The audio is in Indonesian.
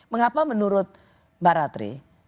mengapa menurut mbak ratri